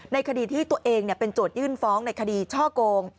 คดีที่ตัวเองเป็นโจทยื่นฟ้องในคดีช่อโกง